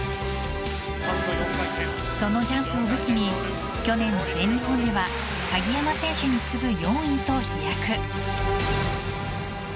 そのジャンプを武器に去年の全日本では鍵山選手に次ぐ４位と飛躍。